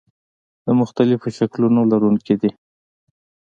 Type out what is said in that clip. د مختلفو شکلونو لرونکي دي.